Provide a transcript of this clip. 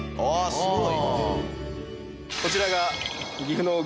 すごい。